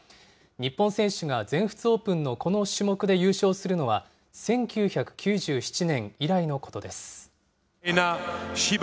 日本選手が全仏オープンのこの種目で優勝するのは、１９９７年以来のことです。